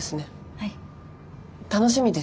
はい。